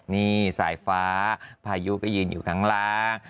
นี่สายฟ้าพายุก็ยืนอยู่ข้างล่าง